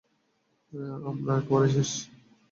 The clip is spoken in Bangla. আমরা একেবারে শেষ।